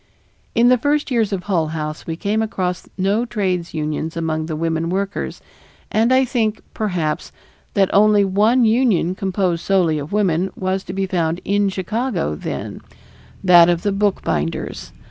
In the first years of Hull House we came across no trades unions among the women workers, and I think, perhaps, that only one union, composed solely of women, was to be found in Chicago then that of the bookbinders.